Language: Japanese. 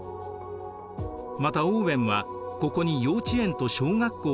またオーウェンはここに幼稚園と小学校をつくりました。